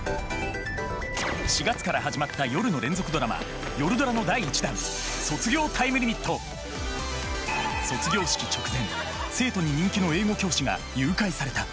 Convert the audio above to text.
４月から始まった夜の連続ドラマ「夜ドラ」の第１弾卒業式直前生徒に人気の英語教師が誘拐された。